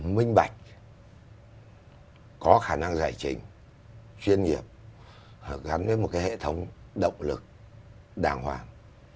minh bạch có khả năng giải trình chuyên nghiệp gắn với một cái hệ thống động lực đàng hoàng